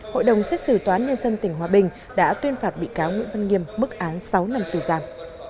hội đồng xét xử toán nhân dân tỉnh hòa bình đã tuyên phạt bị cáo nguyễn văn nghiêm mức án sáu năm tù giam